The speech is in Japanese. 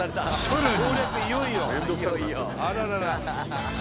あららら。